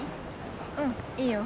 うんいいよ。